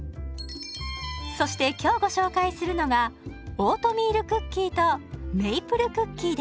そして今日ご紹介するのがオートミールクッキーとメイプルクッキーです。